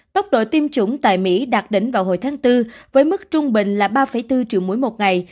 tốc độ tiêm chủng tại mỹ đạt đỉnh vào hồi tháng bốn với mức trung bình là ba bốn triệu mũi một ngày